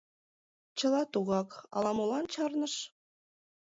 — Чыла тугак, ала-молан чарныш.